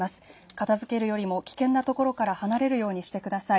片づけるよりも危険な所から離れるようにしてください。